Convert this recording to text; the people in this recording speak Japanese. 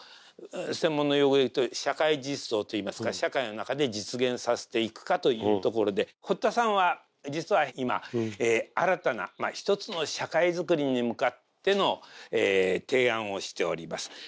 専門の用語で言うと社会実装といいますが社会の中で実現させていくかというところで堀田さんは実は今新たな一つの社会づくりに向かっての提案をしております。